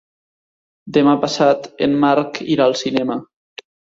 Demà passat en Marc irà al cinema.